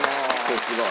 すごい。